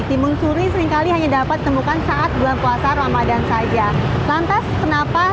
timun suri seringkali hanya dapat ditemukan saat bulan puasa ramadan saja lantas kenapa